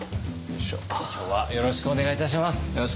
今日はよろしくお願いいたします。